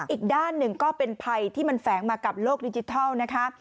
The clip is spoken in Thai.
อีกด้านหนึ่งก็เป็นภัยที่มันแฝงมากับโลกดิจิทัลนะคะ